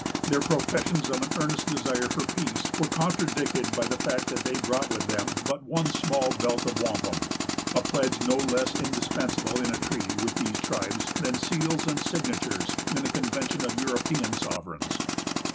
Their professions of an earnest desire for peace were contradicted by the fact that they brought with them but one small belt of wampum; a pledge no less indispensable in a treaty with these tribes than seals and signatures in a convention of European sovereigns.